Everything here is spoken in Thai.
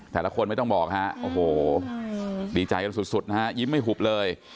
แต่ละคนไม่ต้องบอกฮะโอ้โหดีใจกันสุดนะฮะยิ้มไม่หุบเลย